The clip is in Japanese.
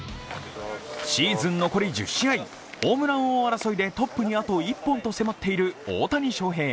シーズン残り１０試合、ホームラン王争いでトップにあと１本と迫っている大谷翔平。